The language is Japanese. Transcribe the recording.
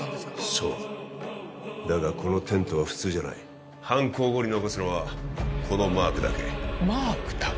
そうだだがこのテントは普通じゃない犯行後に残すのはこのマークだけマークだけ？